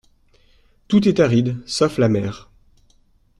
Tout est aride, sauf la mer.